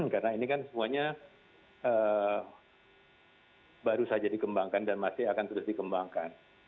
karena ini kan semuanya baru saja dikembangkan dan masih akan terus dikembangkan